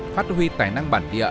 phát huy tài năng bản địa